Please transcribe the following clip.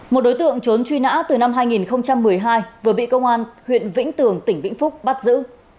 một đối tượng trốn truy nã từ năm hai nghìn một mươi hai vừa bị công an huyện vĩnh tường tỉnh vĩnh phúc bắt giữ